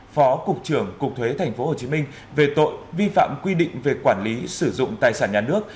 phó cục trưởng cục thuế tp hcm về tội vi phạm quy định về quản lý sử dụng tài sản nhà nước